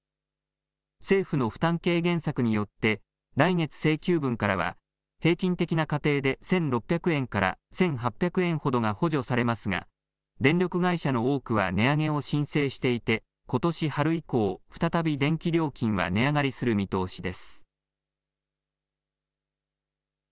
政府の負担軽減策によって、来月請求分からは、平均的な家庭で１６００円から１８００円ほどが補助されますが、電力会社の多くは値上げを申請していて、ことし春以降、再び電気料金は値上がりする見通しです。